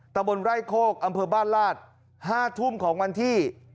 ตะบนไร่โคกอำเภอบ้านลาด๕ทุ่มของวันที่